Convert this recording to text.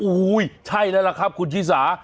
โอ้โหใช่แล้วล่ะครับคุณชิสา